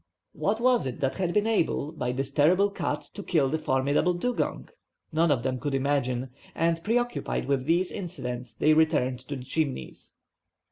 What was it that had been able, by this terrible cut, to kill the formidable dugong? None of them could imagine, and, preoccupied with these incidents, they returned to the Chimneys.